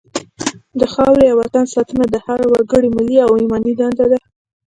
د خاورې او وطن ساتنه د هر وګړي ملي او ایماني دنده ده.